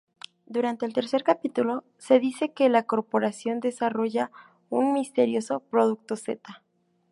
Durante el tercer capítulo se dice que la Corporación desarrolla un misterioso "Producto Z".